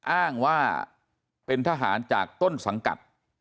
อ้างว่าเป็นทหารจากต้นสังกัด